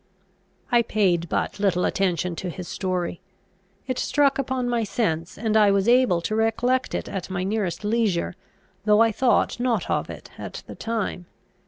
I paid but little attention to his story. It struck upon my sense, and I was able to recollect it at my nearest leisure, though I thought not of it at the time.